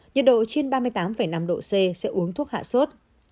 nhiệt độ trên ba mươi tám năm độ c sẽ uống thuốc hạ sốt